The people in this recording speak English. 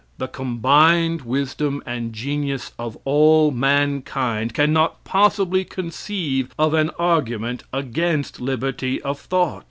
The combined wisdom and genius of all mankind can not possibly conceive of an argument against liberty of thought.